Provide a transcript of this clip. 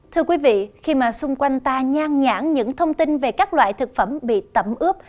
thưa quý vị khi mà xung quanh ta nhan nhãn những thông tin về các loại thực phẩm bị tẩm ướp